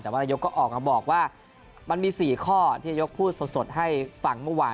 แต่ว่านายกก็ออกมาบอกว่ามันมี๔ข้อที่นายกพูดสดให้ฟังเมื่อวาน